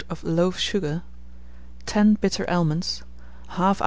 of loaf sugar, 10 bitter almonds, 1/2 oz.